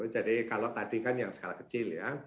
jadi kalau tadi kan yang skala kecil ya